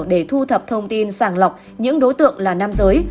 để thu thập thông tin sàng lọc những đối tượng là nam giới